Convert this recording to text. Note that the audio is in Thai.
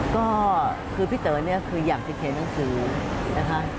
ก็คือพี่เต๋อเนี่ยคืออยากจะเขียนหนังสือนะคะ